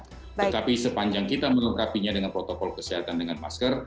tetapi sepanjang kita melengkapinya dengan protokol kesehatan dengan masker